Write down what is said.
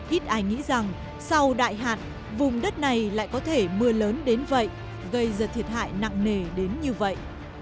ít ai nghĩ rằng sau đại hạn vùng đất này lại có thể mưa lớn đến vậy gây ra thiệt hại nặng nề đến như vậy